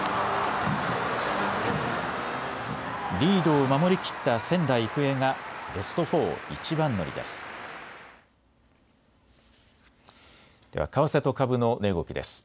リードを守りきった仙台育英がベスト４一番乗りです。